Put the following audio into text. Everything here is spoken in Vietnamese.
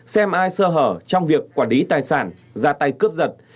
xem ai sơ hở trong việc quản lý tài sản ra tay cướp giật